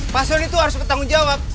pak sony itu harus bertanggung jawab